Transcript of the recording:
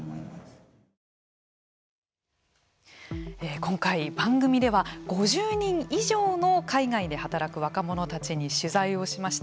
今回、番組では５０人以上の海外で働く若者たちに取材をしました。